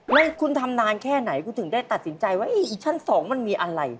แล้วคุณทำนานแค่ไหนกูถึงได้ตัดสินใจว่าชั้น๒มันมีอะไร